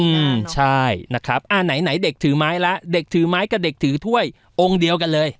อืมใช่นะครับอ่าไหนไหนเด็กถือไม้ละเด็กถือไม้กับเด็กถือถ้วยองค์เดียวกันเลย